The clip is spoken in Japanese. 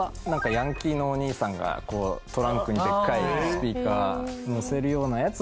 ヤンキーのお兄さんがトランクにでっかいスピーカー載せるようなやつをお借りして。